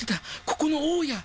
ここの大家。